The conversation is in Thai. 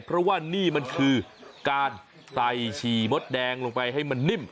เพราะว่านี่มันคือการใส่ฉี่มดแดงลงไปให้มันนิ่ม